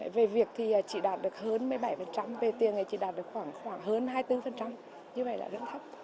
về việc thì chỉ đạt được hơn một mươi bảy về tiền này chỉ đạt được khoảng hơn hai mươi bốn như vậy là rất thấp